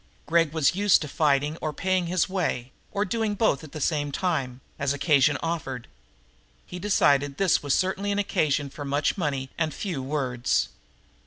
Gregg was used to fighting or paying his way, or doing both at the same time, as occasion offered. He decided that this was certainly an occasion for much money and few words.